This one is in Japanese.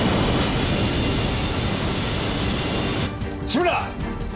志村！